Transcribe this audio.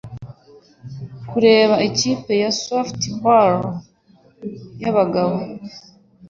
Kurebera ikipe ya softball y'abagabo